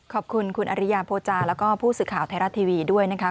ขอบคุณคุณอริยาโพจาแล้วก็ผู้สื่อข่าวไทยรัฐทีวีด้วยนะคะ